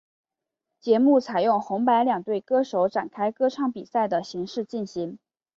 节目采由红白两队歌手展开歌唱比赛的形式进行。